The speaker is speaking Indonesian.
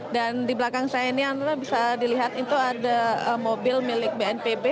dan di belakang saya ini bisa dilihat itu ada mobil milik bnpb